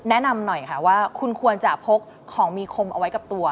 แนะนำหน่อยค่ะว่าคุณควรจะพกของมีคมเอาไว้กับตัว